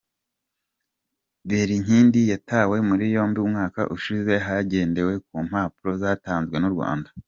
Berinkindi yatawe muri yombi umwaka ushize hagendewe ku mpapuro zatanzwe n’u Rwanda.